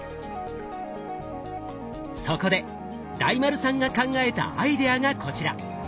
そこで大丸さんが考えたアイデアがこちら！